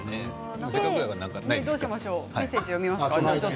メッセージを読みますか。